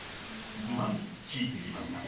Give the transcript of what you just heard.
［ずばり聞いてみました］